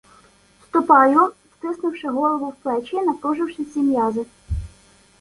Ступаю, втиснувши голову в плечі, напруживши всі м'язи.